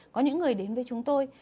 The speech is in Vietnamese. có những người đến với chúng tôi